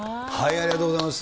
ありがとうございます。